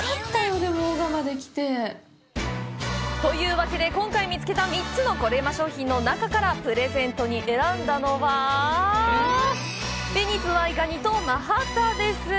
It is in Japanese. でも、男鹿まで来て。というわけで、今回見つけた３つのコレうま商品の中からプレゼントに選んだのは紅ズワイガニとマハタです！